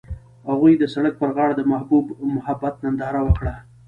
هغوی د سړک پر غاړه د محبوب محبت ننداره وکړه.